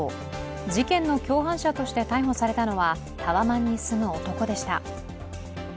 事件の共犯者として逮捕されたのはタワマンに住む男でした。